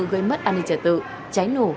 gây mất an ninh trả tự cháy nổ